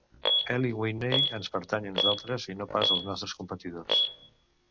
Eli Whitney ens pertany a nosaltres i no pas als nostres competidors.